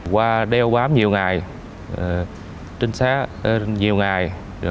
qua đeo bám nhiều ngày